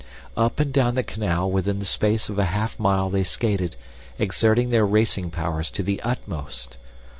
Up and down the canal within the space of a half mile they skated, exerting their racing powers to the utmost.